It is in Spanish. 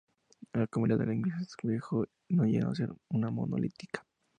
La comunidad de los Ingleses viejos no llegó a ser nunca monolítica.